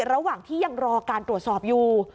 ระหว่างที่ยังรอการตรวจสอบอยู่